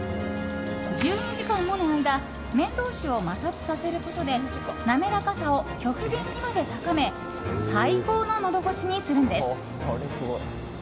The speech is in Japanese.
１２時間もの間麺同士を摩擦させることで滑らかさを極限にまで高め最高ののど越しにするんです。